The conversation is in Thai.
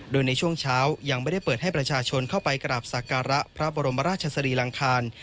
โดยในช่วงเช้ายังไม่ได้เปิดให้ประชาชนเข้าไปกราบสักการะพระบรมราชสรีรังคาร